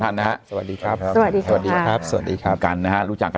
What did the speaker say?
ท่านนะครับสวัสดีครับสวัสดีครับสวัสดีครับกันนะรู้จัก